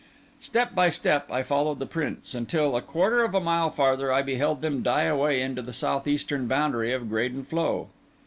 Step by step I followed the prints; until, a quarter of a mile farther, I beheld them die away into the south eastern boundary of Graden Floe.